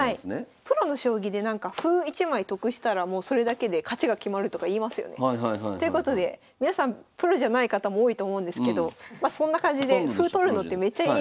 プロの将棋でなんか歩１枚得したらもうそれだけで勝ちが決まるとか言いますよね。ということで皆さんプロじゃない方も多いと思うんですけどまそんな感じで歩取るのってめっちゃいい。